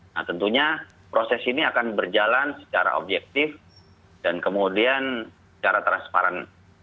nah tentunya proses ini akan berjalan secara objektif dan kemudian secara transparan